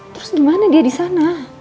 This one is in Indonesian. terus gimana dia disana